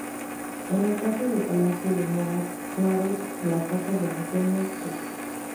Es el caso del Palacio de Mora Claros o la casa de Antonio Checa.